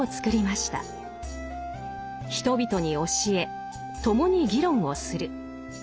人々に教え共に議論をする。